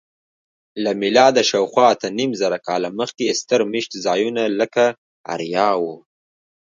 له میلاده شاوخوا اتهنیمزره کاله مخکې ستر میشت ځایونه لکه اریحا وو.